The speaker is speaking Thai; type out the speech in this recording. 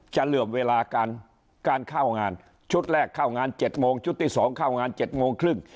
เหลื่อมเวลาการเข้างานชุดแรกเข้างาน๗โมงชุดที่๒เข้างาน๗โมงครึ่ง